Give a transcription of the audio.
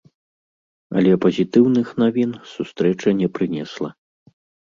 Але пазітыўных навін сустрэча не прынесла.